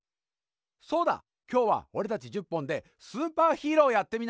そうだきょうはおれたち１０本でスーパーヒーローやってみないか？